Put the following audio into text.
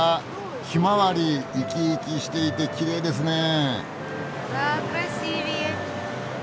ひまわり生き生きしていてきれいですねえ。